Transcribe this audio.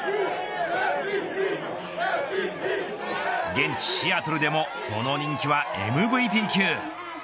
現地シアトルでもその人気はＭＶＰ級。